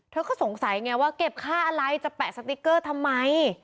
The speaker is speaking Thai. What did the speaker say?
เธอก็สงสัยไงว่าเก็บค่าอะไรจะแปะสติ๊กเกอร์ทำไม